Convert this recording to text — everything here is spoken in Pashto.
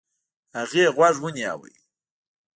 هغې غوږ ونيو.